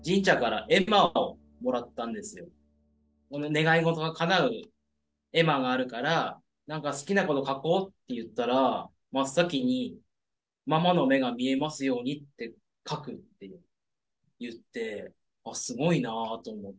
「願い事がかなう絵馬があるから何か好きなこと書こう」って言ったら真っ先に「ママの目が見えますようにって書く」って言ってあすごいなぁと思って。